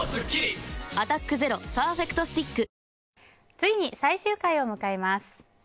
ついに、最終回を迎えます。